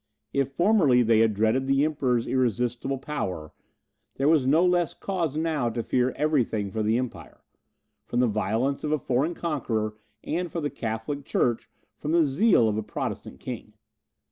If formerly they had dreaded the Emperor's irresistible power, there was no less cause now to fear every thing for the Empire, from the violence of a foreign conqueror, and for the Catholic Church, from the religious zeal of a Protestant king.